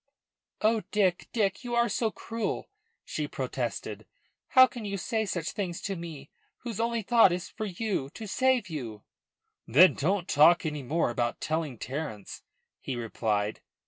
"Oh, Dick, Dick, you are so cruel!" she protested. "How can you say such things to me, whose only thought is for you, to save you." "Then don't talk any more about telling Terence," he replied.